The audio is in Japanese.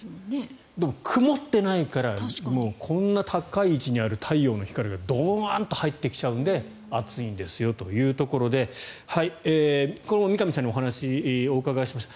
でも、曇ってないからこんなに高い位置にある太陽の光がドンと入ってきちゃうので暑いんですよというところでこれも三上さんにお話をお伺いしました。